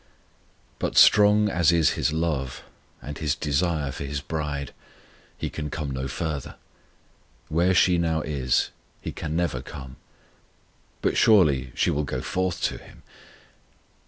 But strong as is His love, and His desire for His bride, He can come no further. Where she now is He can never come. But surely she will go forth to Him.